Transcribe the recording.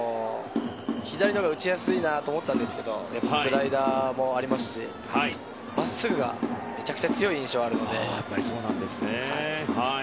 左のほうが打ちやすいなと思ったんですけどスライダーもありますしまっすぐがめちゃくちゃ強い印象があります。